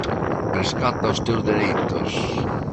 Rescata os teus dereitos!